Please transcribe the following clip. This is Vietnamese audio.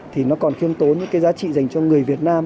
thì nó còn khiêm tốn những cái giá trị dành cho người việt nam